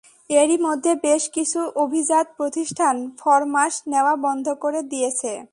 এরই মধ্যে বেশ কিছু অভিজাত প্রতিষ্ঠান ফরমাশ নেওয়া বন্ধ করে দিয়েছে।